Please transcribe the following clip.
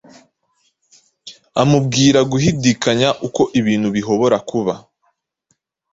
amubwira guhidikanya uko ibintu bihobora kuba